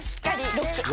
ロック！